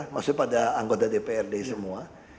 maksudnya pada anggota dprd semua